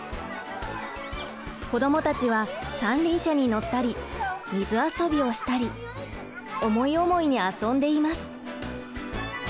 子どもたちは三輪車に乗ったり水遊びをしたり思い思いに遊んでいます。